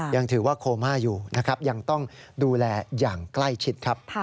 ยังถือว่าโคม่าอยู่ยังต้องดูแลอย่างใกล้ชิด